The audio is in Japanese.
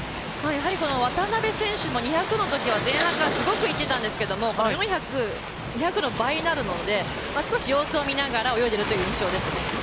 渡邊選手も２００のときは前半からすごくいっていたんですけど４００ｍ２００ｍの倍になるので少し様子を見ながら泳いでいるという印象です。